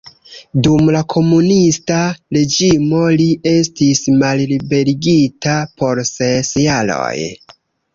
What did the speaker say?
Dum la komunista reĝimo li estis malliberigita por ses jaroj.